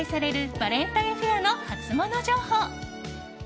バレンタインフェアのハツモノ情報。